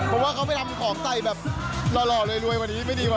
ผมว่าเขาไปทำของใส่แบบหล่อเลยรวยมานี้ไม่ดีว่ะ